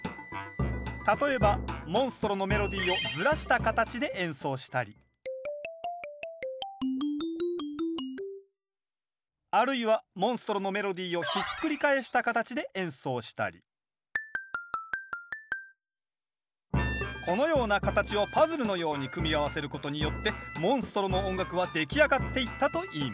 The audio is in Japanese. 例えばモンストロのメロディーをずらした形で演奏したりあるいはモンストロのメロディーをひっくり返した形で演奏したりこのような形をパズルのように組み合わせることによってモンストロの音楽は出来上がっていったといいます。